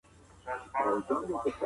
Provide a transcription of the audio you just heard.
په جشن کې غوره تولیدوونکي ستایل کېږي.